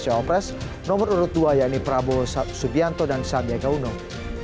cawapres nomor urut dua yang di prabowo subianto dan sandiaga unom